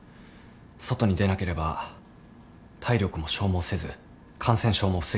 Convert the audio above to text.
外に出なければ体力も消耗せず感染症も防げると。